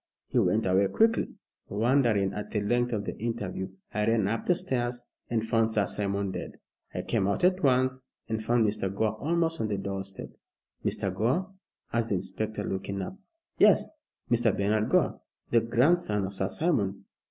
He went away quickly. Wondering at the length of the interview, I ran up the stairs and found Sir Simon dead. I came out at once, and found Mr. Gore almost on the doorstep " "Mr. Gore?" asked the inspector, looking up. "Yes. Mr. Bernard Gore, the grandson of Sir Simon."